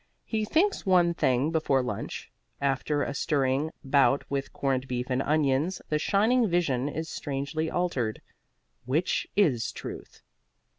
He thinks one thing before lunch; after a stirring bout with corned beef and onions the shining vision is strangely altered. Which is Truth?